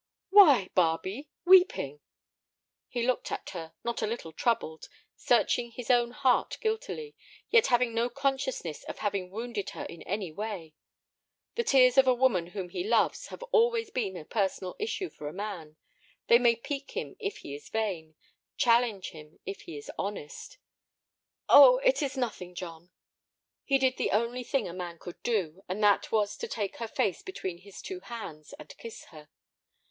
"Why, Barbe—weeping!" He looked at her, not a little troubled, searching his own heart guiltily, yet having no consciousness of having wounded her in any way. The tears of a woman whom he loves have always a personal issue for a man. They may pique him if he is vain, challenge him if he be honest. "Oh, it is nothing, John!" He did the only thing a man could do, and that was to take her face between his two hands and kiss her.